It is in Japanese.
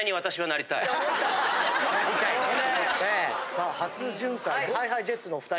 さあ初じゅんさいＨｉＨｉＪｅｔｓのお２人。